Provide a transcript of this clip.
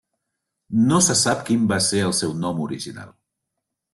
No se sap quin va ser el seu nom original.